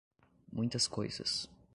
Muitas coisas